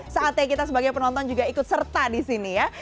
saatnya kita sebagai penonton juga ikut serta di sini ya